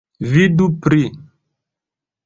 Vidu pli.